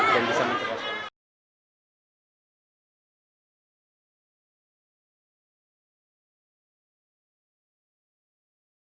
dan bisa mengembangkan